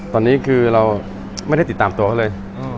ตอนนี้คือเราไม่ได้ติดตามตัวเขาเลย